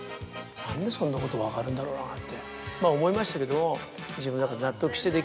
何でそんなこと分かるんだろうな？って思いましたけど。